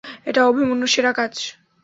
এটা অভিমন্যুর সেরা কাজ!